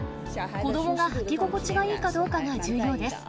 子どもが履き心地がいいかどうかが重要です。